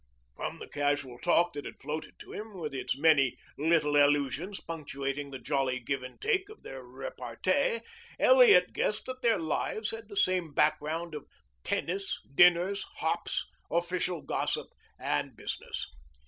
From the casual talk that had floated to him, with its many little allusions punctuating the jolly give and take of their repartee, Elliot guessed that their lives had the same background of tennis, dinners, hops, official gossip, and business.